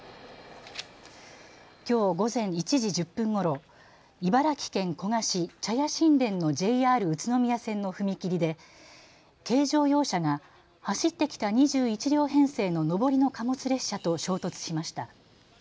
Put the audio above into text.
きょう午前１時１０分ごろ、茨城県古河市茶屋新田のＪＲ宇都宮線の踏切で軽乗用車が走ってきた２１両編成の上りの貨物列車と衝突しました。